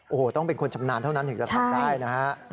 โอ้โหต้องเป็นคนชำนาญเท่านั้นถึงจะทำได้นะฮะ